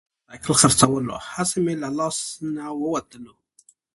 احمد په ډېره کمه بیه موټرسایکل خرڅولو، هسې مه له لاس نه ووتلو.